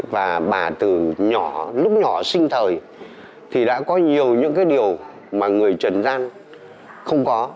và bà từ nhỏ lúc nhỏ sinh thời thì đã có nhiều những cái điều mà người trần gian không có